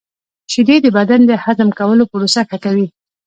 • شیدې د بدن د هضم کولو پروسه ښه کوي.